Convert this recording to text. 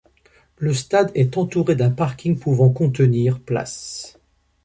Le stade est entouré d'un parking pouvant contenir places.